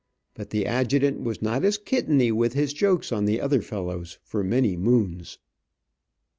But the adjutant was not as kitteny with his jokes on the other fellows for many moons.